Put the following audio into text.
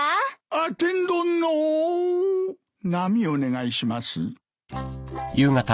あっ天丼の並お願いします。